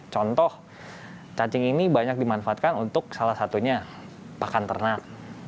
contoh cacing ini banyak dimanfaatkan untuk salah satunya pakan ternak